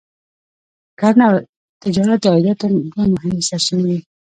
کرنه او تجارت د عایداتو دوه مهمې سرچینې دي.